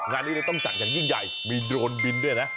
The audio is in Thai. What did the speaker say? งานนี้เลยต้องจัดอย่างยิ่งใหญ่มีโดรนบินด้วยนะ